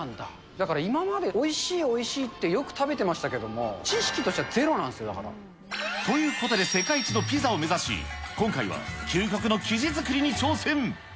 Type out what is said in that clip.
だから今までおいしいおいしいって、よく食べてましたけれども、知識としてはゼロなんですよ、だから。ということで世界一のピザを目指し、今回は究極の生地作りに挑戦。